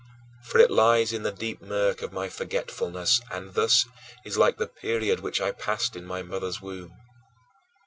For it lies in the deep murk of my forgetfulness and thus is like the period which I passed in my mother's womb.